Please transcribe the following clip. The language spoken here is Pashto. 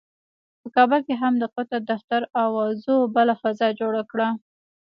په کابل کې هم د قطر دفتر اوازو بله فضا جوړه کړې.